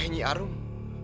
karena nyi arum itu